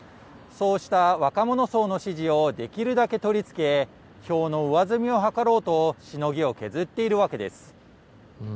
そうした若者層の支持をできるだけ取り付け、票の上積みを図ろうと、しのぎを削っているわけです。